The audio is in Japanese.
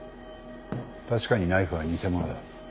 確かにナイフは偽物だ。